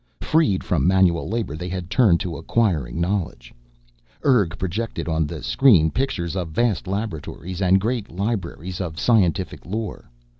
Freed from manual labor they had turned to acquiring knowledge. Urg projected on the screen pictures of vast laboratories and great libraries of scientific lore.